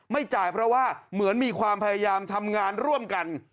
ไม่จ่ายเพราะว่าเหมือนมีความพยายามทำงานร่วมกัน